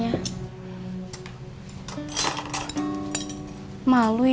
yang bertahan tidak mau menjual tanahnya